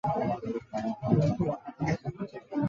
第一种说法戴欧尼修斯是宙斯和塞墨勒的儿子。